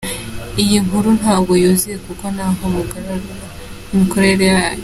iyinkuru ntabwo yuzuye kuko ntaho mugaragaza imikorere yayo.